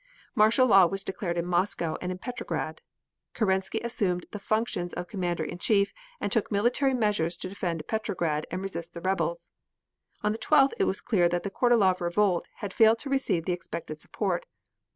Martial law was declared in Moscow and in Petrograd. Kerensky assumed the functions of Commander in Chief and took military measures to defend Petrograd and resist the rebels. On the 12th it was clear that the Kornilov revolt had failed to receive the expected support.